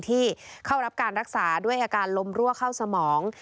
ที่เข้ารับการรักษาด้วยอาการลมรั่วเข้าสมอง